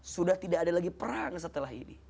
sudah tidak ada lagi perang setelah ini